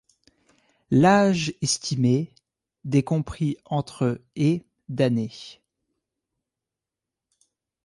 L'âge estimé d' est compris entre et d'années.